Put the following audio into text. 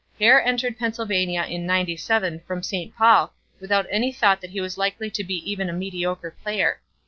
Hare entered Pennsylvania in '97 from St. Paul without any thought that he was likely to be even a mediocre player.